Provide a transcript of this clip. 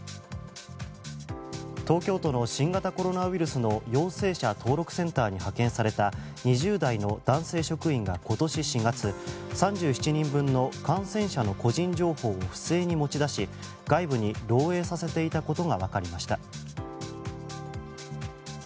東京都の新型コロナウイルスの陽性者登録センターに派遣された２０代の男性職員が今年４月３７人分の感染者の個人情報を不正に持ち出し外部に漏洩させていたことが分かりました。